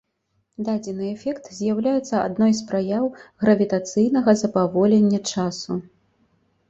Дадзены эфект з'яўляецца адной з праяў гравітацыйнага запаволення часу.